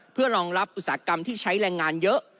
เพื่อรองรับอุตสาหกรรมที่ใช้แรงงานเยอะ